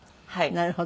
なるほど。